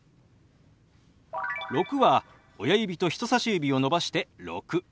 「６」は親指と人さし指を伸ばして「６」。